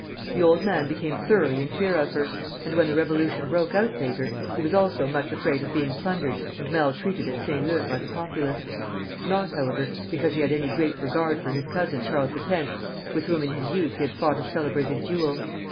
The old man became thoroughly in fear of her; and when the Revolution broke out later, he was also much afraid of being plundered and maltreated at Saint Leu by the populace, not, however, because he had any great regard for his cousin Charles X., with whom in his youth he had fought a celebrated duel.